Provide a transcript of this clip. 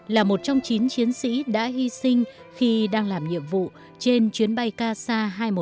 là một trong chín chiến sĩ đã hy sinh khi đang làm nhiệm vụ trên chuyến bay kc hai trăm một mươi chín